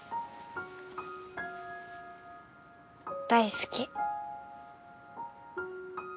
大好き。